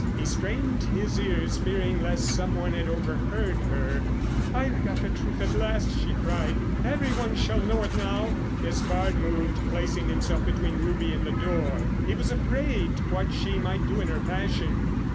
He strained his ears fearing lest some one had overheard her. "I've got the truth at last," she cried. "Every one shall know it now." Despard moved, placing himself between Ruby and the door. He was afraid what she might do in her passion.